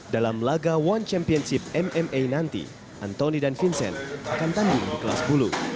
dalam laga one championship mma nanti anthony dan vincent akan tanding di kelas bulu